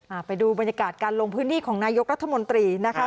ไปดูบรรยากาศการลงพื้นที่ของนายกรัฐมนตรีนะคะ